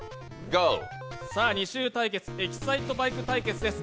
２周対決、エキサイトバイク対決です。